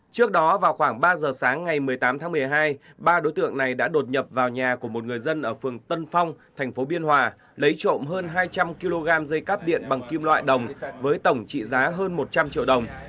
trước đó vào khoảng ba giờ sáng ngày một mươi tám tháng một mươi hai ba đối tượng này đã đột nhập vào nhà của một người dân ở phường tân phong tp biên hòa lấy trộm hơn hai trăm linh kg dây cắp điện bằng kim loại đồng với tổng trị giá hơn một trăm linh triệu đồng